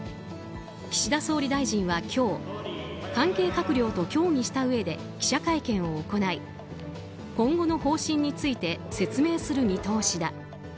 岸田総理大臣は今日関係閣僚と協議したうえで記者会見を行い今後の方針について説明する見通しだ。